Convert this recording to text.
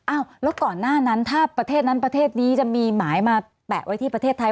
อ้าวแล้วก่อนหน้านั้นถ้าประเทศนั้นประเทศนี้จะมีหมายมาแปะไว้ที่ประเทศไทย